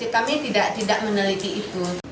kami tidak meneliti itu